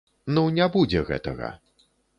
Ну не будзе гэтага.